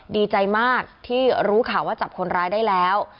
ดีใจมากที่รู้ข่าวว่าจับคนร้ายได้แล้ว